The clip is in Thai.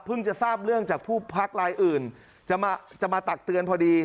จะทราบเรื่องจากผู้พักรายอื่นจะมาจะมาตักเตือนพอดี